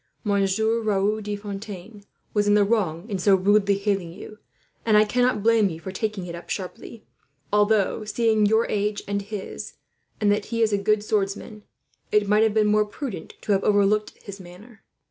Monsieur Raoul de Fontaine was in the wrong, in so rudely hailing you, and I cannot blame you for taking it up sharply; although, seeing your age and his, and that he is a good swordsman, it might have been more prudent to have overlooked his manner.